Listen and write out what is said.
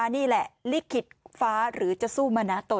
นี่แหละลิขิตฟ้าหรือจะสู้มานะโต